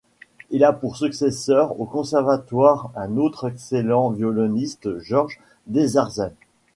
Il a pour successeur au Conservatoire un autre excellent violoniste, Georges Desarzens.